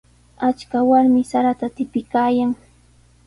Achka warmi sarata tipiykaayan.